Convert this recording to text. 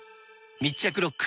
密着ロック！